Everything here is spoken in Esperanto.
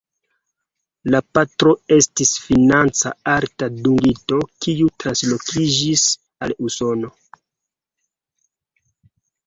La patro estis financa alta dungito kiu translokiĝis al Usono.